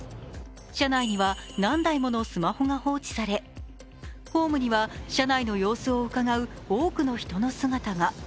車内には何台ものスマホが放置されホームには車内の様子をうかがう多くの人の姿か。